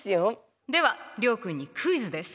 では諒君にクイズです。